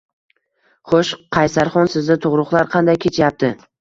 Xo`sh, Qaysarxon sizda tug`ruqlar qanday kechayapti